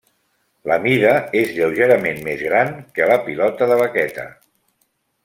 La mida és lleugerament més gran que la pilota de vaqueta.